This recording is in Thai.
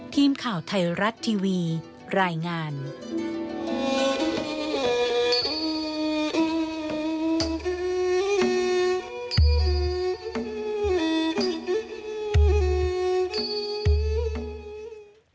สวดคาทาว่าด้วยชัยชนะอันเป็นมงคลสูตรของพระพุทธเจ้านี้